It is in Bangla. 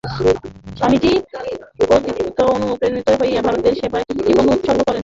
স্বামীজী কর্তৃক অনুপ্রাণিত হইয়া ভারতের সেবায় জীবন উৎসর্গ করেন।